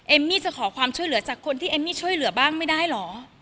มี่จะขอความช่วยเหลือจากคนที่เอมมี่ช่วยเหลือบ้างไม่ได้เหรอ